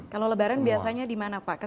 kalau lebaran biasanya di mana pak